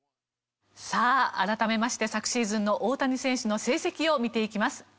さあ改めまして昨シーズンの大谷選手の成績を見ていきます。